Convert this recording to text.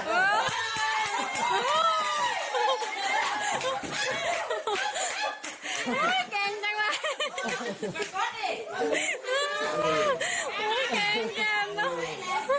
โถ้ะโหเก่งจังเลย